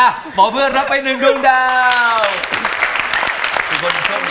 หมอเพื่อนรับไอ้หนึ่งโดงดาว